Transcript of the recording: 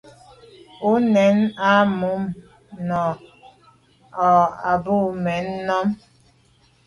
O nèn à mum nà o à bû mèn am.